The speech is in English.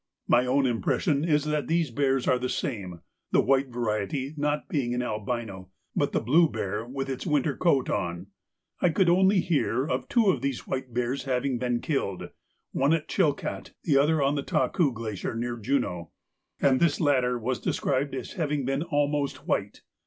My own impression is that these bears are the same, the white variety not being an albino, but the blue bear with his winter coat on. I could only hear of two of these white bears having been killed—one at Chilcaht, the other on the Taku Glacier, near Juneau, and this latter was described as having been almost white.